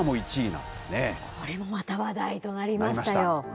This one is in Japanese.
これもまた話題となりましたなりました。